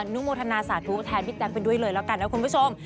นุโมทนาสาธุแทนพี่แต๊กไปด้วยเลยแล้วกันนะคุณผู้ชม